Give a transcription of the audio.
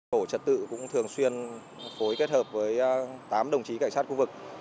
tổ trật tự cũng thường xuyên phối kết hợp với tám đồng chí cảnh sát khu vực